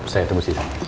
saya tunggu di sana